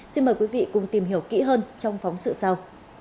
xin mời quý vị cùng tìm hiểu kỹ hơn trong phóng sự sau